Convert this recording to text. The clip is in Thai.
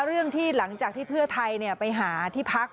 เรื่องที่หลังจากที่เพื่อไทยไปหาที่พัก